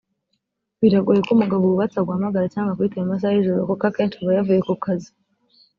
Biragoye ko umugabo wubatse aguhamagara cyangwa ngo akwitabe mu masaha y’ijoro kuko akenshi aba yavuye ku kazi